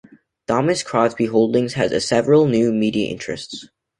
Thomas Crosbie Holdings has a several new media interests.